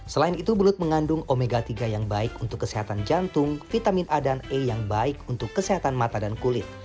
selain itu belut mengandung omega tiga yang baik untuk kesehatan jantung vitamin a dan e yang baik untuk kesehatan mata dan kulit